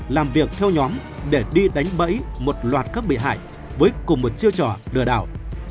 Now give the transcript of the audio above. làm việc theo nhóm để đi đánh bẫy một loạt các bị hại với cùng một chiêu trò lừa đảo